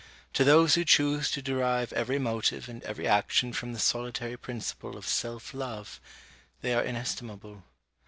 To those who choose to derive every motive and every action from the solitary principle of self love, they are inestimable.